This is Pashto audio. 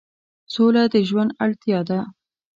سوله د ژوند اړتیا ده.